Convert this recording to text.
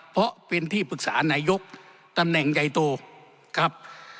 เพราะเป็นที่ปรึกษานายกตำแหน่งใหญ่โตครับ